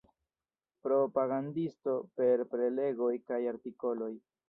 Propagandisto per prelegoj kaj artikoloj.